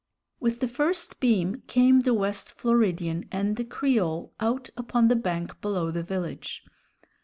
With the first beam came the West Floridian and the Creole out upon the bank below the village.